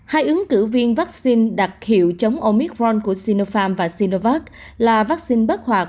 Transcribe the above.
hai ứng cử viên vaccine đặc hiệu chống omicron của sinopharm và sinovac là vaccine bất hoạt